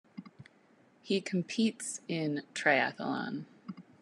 He competes in triathlon.